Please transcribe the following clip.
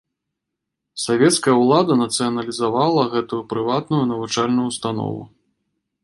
Савецкая ўлада нацыяналізавала гэту прыватную навучальную ўстанову.